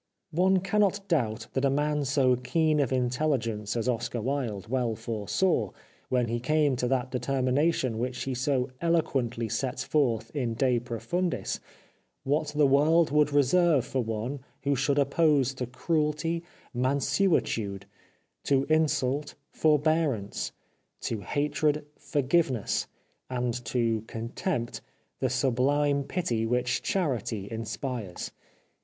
One cannot doubt that a man so keen of intelligence as Oscar Wilde well foresaw, when he came to that determination which he so eloquently sets forth in " De Profundis," what the world would reserve for one who should oppose to cruelty, mansuetude ; to insult, for bearance ; to hatred, forgiveness ; and to con tempt, the sublime pity which charity inspires.